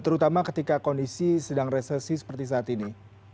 terutama ketika kondisi sedang resesi seperti saat ini